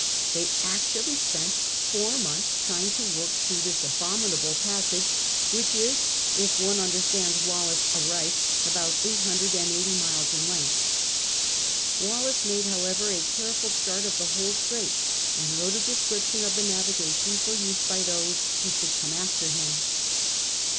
They actually spent four months trying to work through this abominable jassage, which is, if one understands Wallis aright, about eight hundred and eighty miles in length. Wallis made, however, a careful chart of the whole Straits, and wrote a description of the navigation for use by Diose who should come after him.